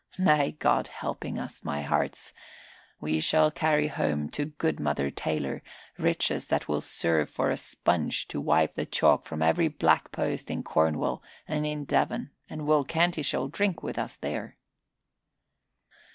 Nay, God helping us, my hearts, we shall carry home to good Mother Taylor riches that will serve for a sponge to wipe the chalk from every black post in Cornwall and in Devon, and Will Canty shall drink with us there."